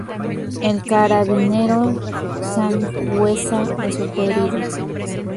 El carabinero Sanhueza resultó herido.